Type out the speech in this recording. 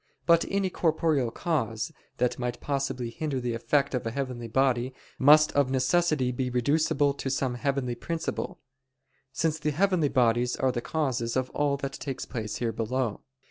But any corporeal cause, that might possibly hinder the effect of a heavenly body, must of necessity be reducible to some heavenly principle: since the heavenly bodies are the causes of all that takes place here below.